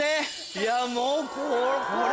いやもうここ！